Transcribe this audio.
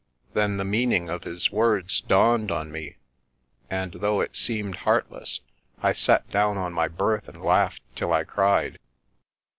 Then the meaning of his words dawned on me, and though it seemed heartless, I sat down on my berth and laughed till I cried.